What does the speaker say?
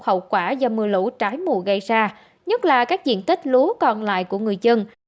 hậu quả do mưa lũ trái mùa gây ra nhất là các diện tích lúa còn lại của người dân